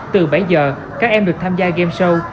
từ bảy giờ các em được tham gia game show